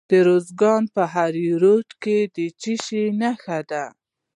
د ارزګان په دهراوود کې د څه شي نښې دي؟